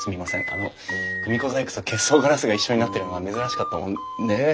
あの組子細工と結霜ガラスが一緒になってるのが珍しかったもんで。